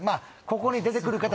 ここに出てくる方